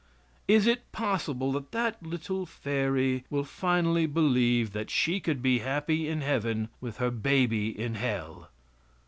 Is it possible that that little fairy will finally believe that she could be happy in Heaven with her baby in Hell?